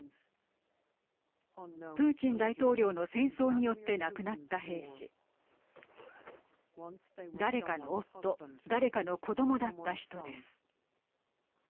プーチン大統領の戦争によって亡くなった兵士誰かの夫誰かの子どもだった人です。